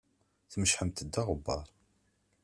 Tmecḥemt-d aɣebbar.